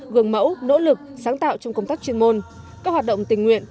gương mẫu nỗ lực sáng tạo trong công tác chuyên môn các hoạt động tình nguyện